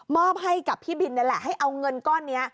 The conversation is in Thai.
อบให้กับพี่บินนี่แหละให้เอาเงินก้อนนี้